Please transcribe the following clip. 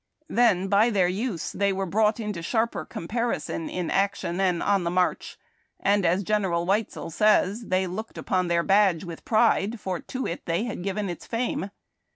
Then, by their use they were brought into sharper comparison in action and on the march, and, as General Weitzel says, " they looked upon their badge with pride, for to it they had given its fame."